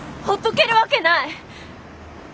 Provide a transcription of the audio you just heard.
ほっとけるわけない！